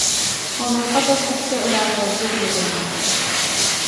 Онуоха тас өттө ырааһырарга дылы гынна